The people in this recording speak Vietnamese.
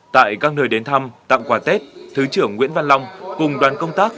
tại các nơi đến thăm tặng quà tết thứ trưởng nguyễn văn long cùng đoàn công tác